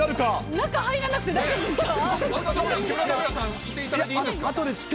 中入らなくて大丈夫ですか。